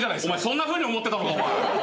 お前そんなふうに思ってたのか。